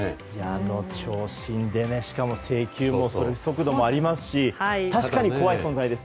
あの長身でしかも制球もあり速度もありますし確かに怖い存在です。